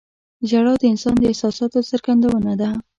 • ژړا د انسان د احساساتو څرګندونه ده.